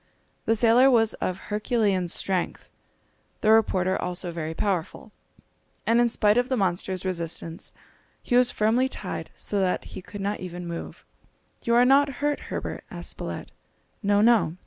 The sailor was of Herculean strength, the reporter also very powerful, and in spite of the monster's resistance he was firmly tied so that he could not even move. "You are not hurt, Herbert," asked Spilett. "No, no!"